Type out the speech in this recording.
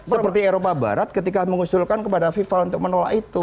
seperti eropa barat ketika mengusulkan kepada fifa untuk menolak itu